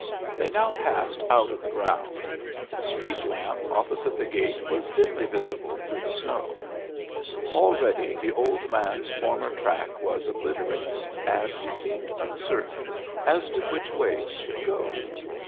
They had now passed out of the grounds; the street lamp opposite the gate was dimly visible through the snow. Already the old man's former track was obliterated, and he seemed uncertain as to which way he should go. Mr.